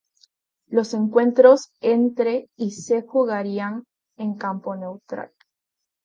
Los encuentros entre y se jugarían en campo neutral.